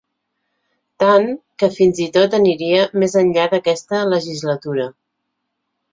Tant, que fins i tot aniria més enllà d’aquesta legislatura.